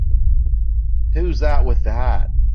Who's that with the hat?